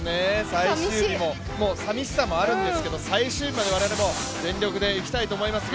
もうさみしさもあるんですが最終日も我々全力でいきたいと思いますが。